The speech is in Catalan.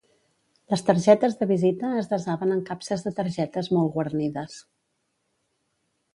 Les targetes de visita es desaven en capses de targetes molt guarnides.